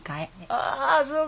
ああそうが。